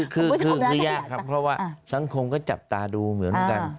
คือยากครับเพราะว่าสังคมก็จับตาดูเหมือนกัน